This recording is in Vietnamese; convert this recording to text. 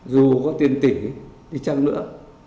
dù có tiền tỷ đi chăng nữa